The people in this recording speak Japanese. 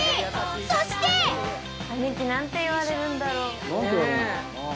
［そして］何て言われるんだろうな。